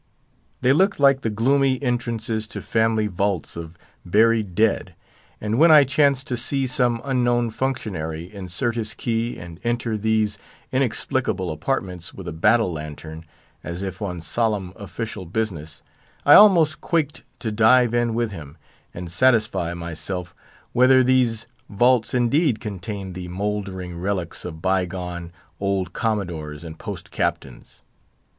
They looked like the gloomy entrances to family vaults of buried dead; and when I chanced to see some unknown functionary insert his key, and enter these inexplicable apartments with a battle lantern, as if on solemn official business, I almost quaked to dive in with him, and satisfy myself whether these vaults indeed contained the mouldering relics of by gone old Commodores and Post captains.